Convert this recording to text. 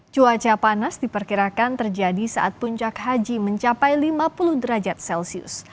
cuaca panas diperkirakan terjadi saat puncak haji mencapai lima puluh derajat celcius